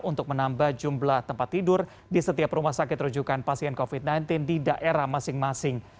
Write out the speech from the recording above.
untuk menambah jumlah tempat tidur di setiap rumah sakit rujukan pasien covid sembilan belas di daerah masing masing